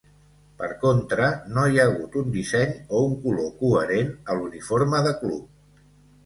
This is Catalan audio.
Per contra, no hi ha hagut un disseny o un color coherent a l"uniforme de club.